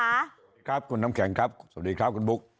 สวัสดีครับคุณน้ำแข็งครับสวัสดีครับคุณบุ๊ค